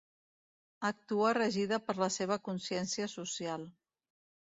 Actua regida per la seva consciència social.